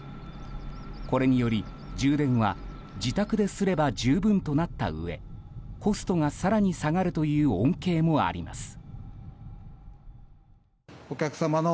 これにより、充電は自宅ですれば十分となったうえコストが更に下がるという恩恵もあります。